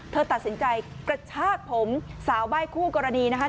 เธอตัดสินใจกระชากผมสาวใบ้คู่กรณีนะคะ